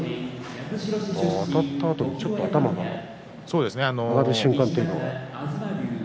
あたったあとにちょっと頭が上がる瞬間が。